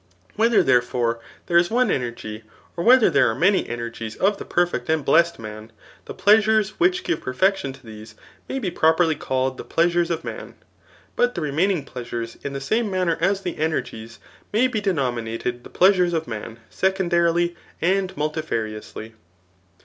Whether, there* fore, there is one energy, or whether there are many energies of the perfect and blessed man, the pleasures which give perfection to these, may be properly called die pleasures of man ; but the remaining pleasures, in the same manner as the energies, may be denominated the pleasures of msm seccmdarily and nmlti&riously.